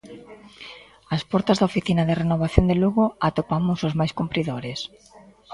Ás portas da oficina de renovación de Lugo atopamos os máis cumpridores.